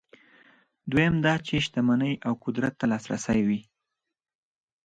دویم دا چې شتمنۍ او قدرت ته لاسرسی وي.